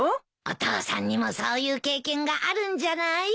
お父さんにもそういう経験があるんじゃない？